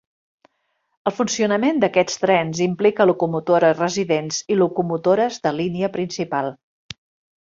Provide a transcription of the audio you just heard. El funcionament d'aquests trens implica locomotores residents i locomotores de línia principal.